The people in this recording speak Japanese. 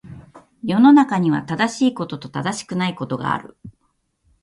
世の中には、正しいことと正しくないことがある。